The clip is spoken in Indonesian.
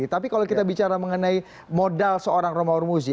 tapi kalau kita bicara mengenai modal seorang romar musi